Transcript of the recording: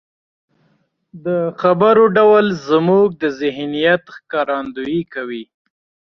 د خبرو ډول زموږ د ذهنيت ښکارندويي کوي.